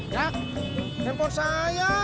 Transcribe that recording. jak telfon saya